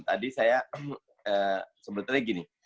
tadi saya sebutannya gini